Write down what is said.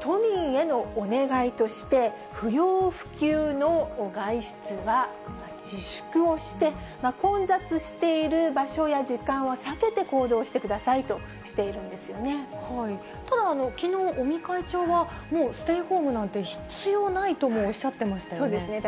都民へのお願いとして、不要不急の外出は自粛をして、混雑している場所や時間を避けて行動してくださいとしているんでただ、きのう、尾身会長はもうステイホームなんて必要ないともおっしゃってましそうですね。